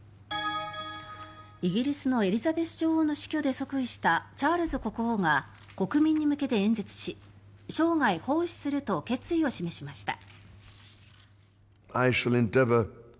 イギリスのエリザベス女王の死去で即位したチャールズ国王が国民に向けて演説し生涯奉仕すると決意を示しました。